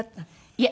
いえ。